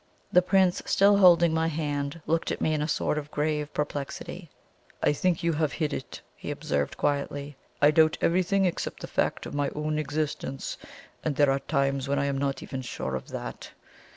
The Prince, still holding my hand, looked at me in a sort of grave perplexity. "I think you have hit it," he observed quietly. "I doubt everything except the fact of my own existence, and there are times when I am not even sure of that.